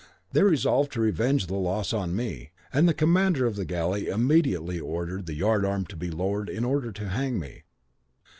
They resolved to revenge the loss on me, and the commander of the galley immediately ordered the yard arm to be lowered in order to hang me.